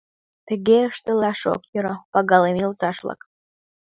Тыге ыштылаш ок йӧрӧ, пагалыме йолташ-влак.